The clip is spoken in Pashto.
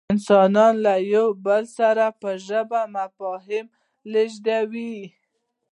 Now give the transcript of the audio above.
انسانان له یو بل سره په ژبه مفاهیم لېږدوي.